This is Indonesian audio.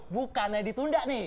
bukannya ditunda nih